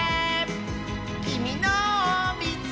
「きみのをみつけた！」